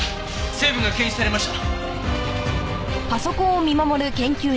成分が検出されました。